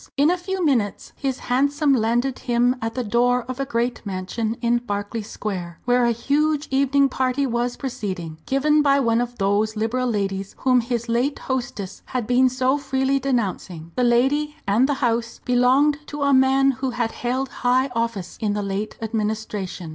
In a few minutes his hansom landed him at the door of a great mansion in Berkeley Square, where a huge evening party was proceeding, given by one of those Liberal ladies whom his late hostess had been so freely denouncing. The lady and the house belonged to a man who had held high office in the late Administration.